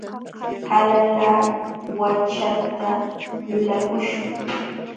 Hala laawachata lulakuśhun.